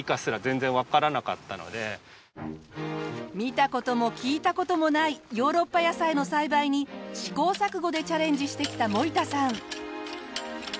見た事も聞いた事もないヨーロッパ野菜の栽培に試行錯誤でチャレンジしてきた森田さん。